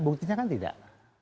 buktinya kan tidak